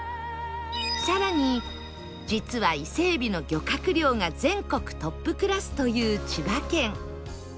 更に実はイセエビの漁獲量が全国トップクラスという千葉県